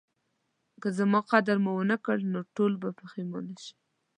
که زما قدر مو ونکړ نو ټول به پخیمانه شئ